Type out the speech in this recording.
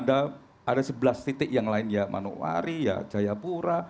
ada sebelas titik yang lain ya manokwari ya jayapura